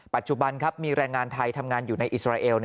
ปัจจุบันครับมีแรงงานไทยทำงานอยู่ในอิสราเอล